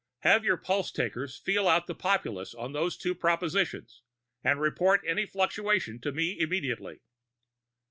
Have your pulse takers feel out the populace on those two propositions, and report any fluctuation to me immediately."